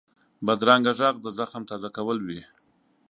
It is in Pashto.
بدرنګه غږ د زخم تازه کول وي